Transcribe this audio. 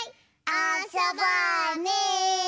あそぼうね！